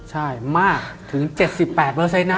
ใช่มากถึง๗๘นะ